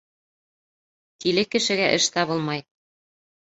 Тиле кешегә эш табылмай.